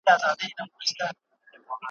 نور له زړه څخه ستا مینه سم ایستلای `